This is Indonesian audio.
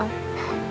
aku ngeri kok pak